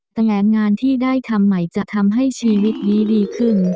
แต่แงนงานที่ได้ทำใหม่จะทำให้ชีวิตนี้ดีขึ้น